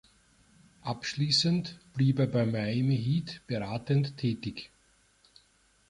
Abschließend blieb er bei Miami Heat beratend tätig.